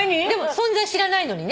存在知らないのにね。